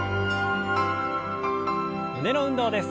胸の運動です。